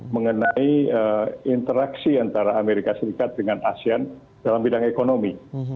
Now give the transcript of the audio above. mengenai interaksi antara amerika serikat dengan asean dalam bidang ekonomi